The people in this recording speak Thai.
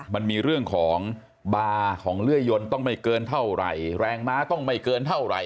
มันมีเรื่องของบาร์ของเลื่อยยนต้องไม่เกินเท่าไหร่แรงม้าต้องไม่เกินเท่าไหร่